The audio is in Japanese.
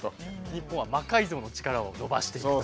日本は魔改造の力を伸ばしていくと。